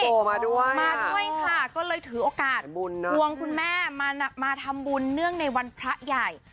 โทรมาด้วยมาด้วยค่ะก็เลยถือโอกาสควงคุณแม่มาทำบุญเนื่องในวันพระใหญ่